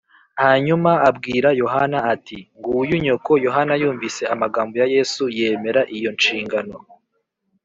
” hanyuma abwira yohana ati, “nguyu nyoko” yohana yumvise amagambo ya yesu, yemera iyo nshingano